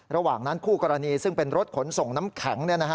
ระหว่างนั้นคู่กรณีซึ่งเป็นรถขนส่งน้ำแข็ง